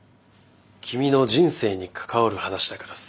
君の人生に関わる話だからさ。